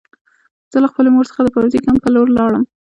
زه له خپلې مور څخه د پوځي کمپ په لور لاړم